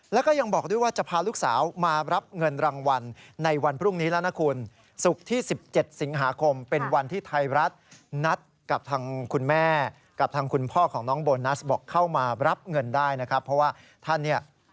และก็ยังบอกด้วยว่าจะพาลูกสาวมารับเงินรางวัลในวันพรุ่งนี้แล้วนะคุณ